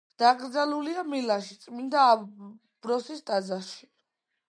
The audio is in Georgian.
დაკრძალულია მილანში, წმინდა ამბროსის ტაძარში.